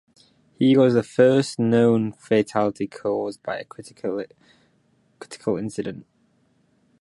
He was the first known fatality caused by a criticality accident.